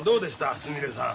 すみれさん。